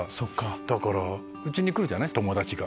だからうちに来るじゃない友達が。